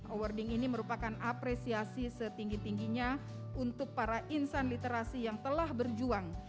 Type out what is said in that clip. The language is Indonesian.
awarding ini merupakan apresiasi setinggi tingginya untuk para insan literasi yang telah berjuang